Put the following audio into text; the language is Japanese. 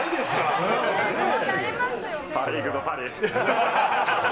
パリ行くぞ、パリ。